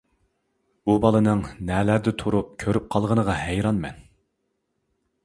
بۇ بالىنىڭ نەلەردە تۇرۇپ كۆرۈپ قالغىنىغا ھەيرانمەن.